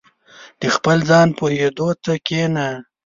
• د خپل ځان پوهېدو ته کښېنه.